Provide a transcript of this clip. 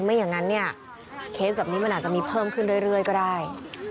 ไม่อย่างนั้นเนี่ยเคสแบบนี้มันอาจจะมีเพิ่มขึ้นเรื่อยก็ได้